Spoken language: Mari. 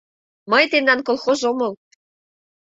Мый тендан колхоз омыл.